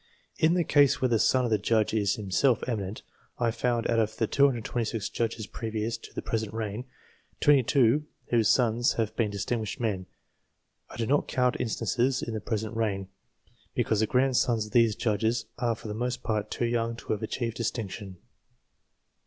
In the case where the son of the judge is himself emi nent, I find, out of the 226 judges previous to the present reign, 22 whose sons have been distinguished men. I do not count instances in the present reign, because the grandsons of these judges are for the most part too young to have achieved distinction.